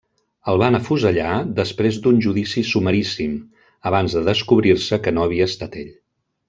El van afusellar després d'un judici sumaríssim, abans de descobrir-se que no havia estat ell.